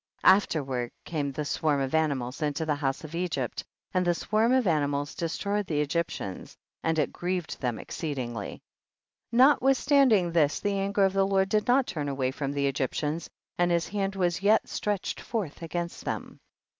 22. Afterward came the swarm of animals into the houses of Egypt, and the swarm of animals destroyed the Egyptians, and it grieved them exceedingly. 23. Notwithstanding this the an ger of the Lord did not turn away from the Egyptians, and his hand was yet stretched forth against them.